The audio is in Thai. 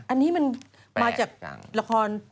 อันนี้มันมาจากละคร